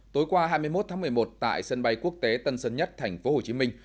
tối qua hai mươi một tháng một mươi một tại sân bay quốc tế tân sơn nhất thành phố hồ chí minh